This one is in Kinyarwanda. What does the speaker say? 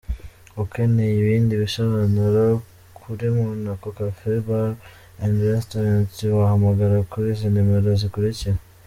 Ukeneye ibindi bisobanuro kuri Monaco Cafe, Bar and Restaurant wahamagara kuri izi nimero zikurikira:.